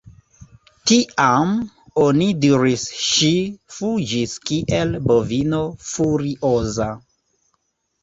Tiam, oni diris ŝi fuĝis kiel bovino furioza.